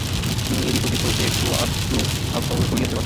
তিনি এদিক ওদিক হইতে একটু আধটু ভাব সংগ্রহ করিয়াছেন মাত্র।